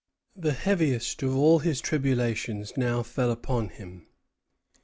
" The heaviest of all his tribulations now fell upon him.